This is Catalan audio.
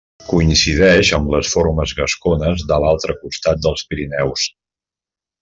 Coincideix amb les formes gascones de l'altre costat dels Pirineus.